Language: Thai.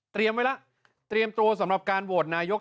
ไว้แล้วเตรียมตัวสำหรับการโหวตนายก